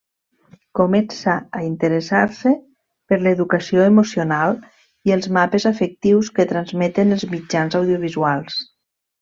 Comença a interessar-se per l'educació emocional i els mapes afectius que transmeten els mitjans audiovisuals.